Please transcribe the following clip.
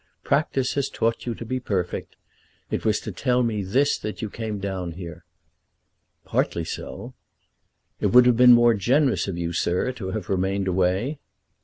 Practice has taught you to be perfect. It was to tell me this that you came down here." "Partly so." "It would have been more generous of you, sir, to have remained away."